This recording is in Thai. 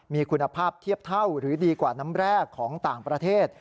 มีคุณภาพเทียบเท่าหรือดีกว่าน้ำแรกของต่างประเทศ